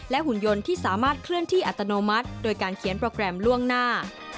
หุ่นยนต์ที่สามารถเคลื่อนที่อัตโนมัติโดยการเขียนโปรแกรมล่วงหน้า